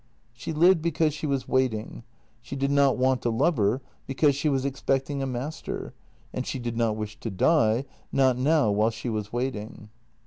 She lived because she was waiting; she did not want a lover, because she was expecting a master, and she did not wish to die — not now while she was waiting.